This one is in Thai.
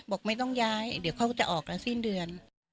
บอกไม่ต้องย้ายเดี๋ยวเขาจะออกแล้วสิ้นเดือน